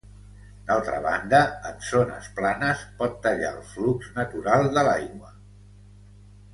D'altra banda, en zones planes, pot tallar el flux natural de l'aigua.